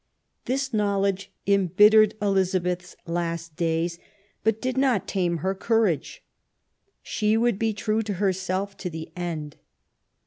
This knowledge embittered Elizabeth's last days, but did not tame her courage. She would be true to herself to the end.